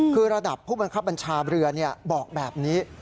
คือระดับผู้บังคับบัญชาเรือบอกแบบนี้